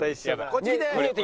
こっち来て。